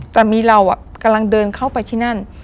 แต่มีเรากำลังเดินเข้าไปที่นั่น